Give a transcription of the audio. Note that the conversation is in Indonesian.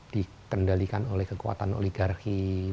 dikendalikan oleh kekuatan oligarki